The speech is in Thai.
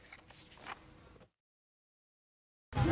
อ่าคุยกันไหมมาครับ